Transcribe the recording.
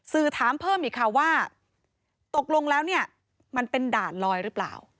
สื่อถามเพิ่มอีกค่ะว่าตกลงแล้วเนี่ยมันเป็นด่านลอยหรือเปล่า